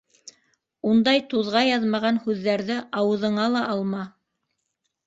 Ундай туҙға яҙмаған һүҙҙәрҙе ауыҙыңа ла алма.